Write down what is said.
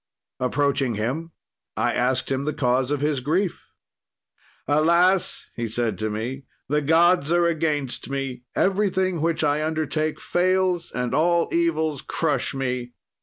"Approaching him, I asked him the cause of his grief. "'Alas!' said he to me, 'the gods are against me; everything which I undertake fails, and all evils crush me.